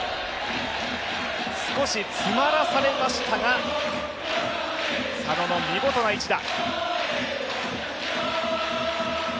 少し詰まらされましたが、佐野の見事な一打。